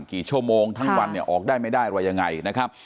กี่ชั่วโมงทั้งวันออกได้ไม่ได้ว่ายังไงนะครับ